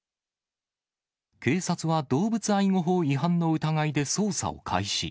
警察は動物愛護法違反の疑いで捜査を開始。